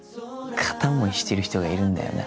片思いしてる人がいるんだよな？